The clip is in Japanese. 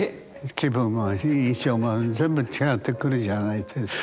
気分も印象も全部違ってくるじゃないですか。